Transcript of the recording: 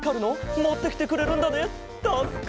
もってきてくれるんだねたすかる。